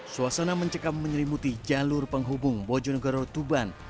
suasana mencekam menyelimuti jalur penghubung bojonegoro tuban